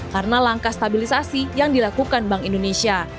karena langkah stabilisasi yang dilakukan bank indonesia